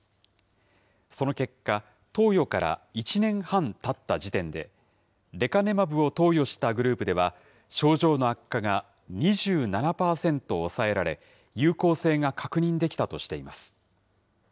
その結果、投与から１年半たった時点で、レカネマブを投与したグループでは、症状の悪化が２７％抑えられ、有効性が確認できたとしています。